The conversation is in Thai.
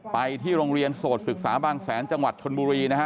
ไปที่โรงเรียนโสดศึกษาบางแสนจังหวัดชนบุรีนะฮะ